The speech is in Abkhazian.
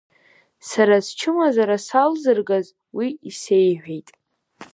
Сара счымазара салзыргаз Уи исеиҳәеит…